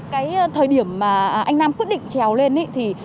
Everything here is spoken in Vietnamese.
cái thời điểm mà anh nam quyết định trèo lên thì